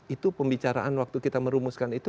itu pembicaraan waktu kita merumuskan itu